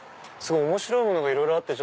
面白いものがいろいろあって。